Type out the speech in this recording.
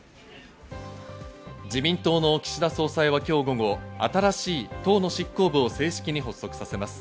自民党の岸田総裁は今日午後、新しい党の執行部を正式に発足させます。